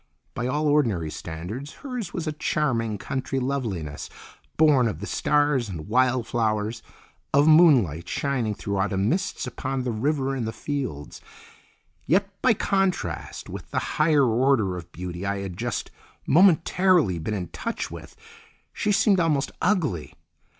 By all ordinary standards, her's was a charming country loveliness, born of the stars and wild flowers, of moonlight shining through autumn mists upon the river and the fields; yet, by contrast with the higher order of beauty I had just momentarily been in touch with, she seemed almost ugly.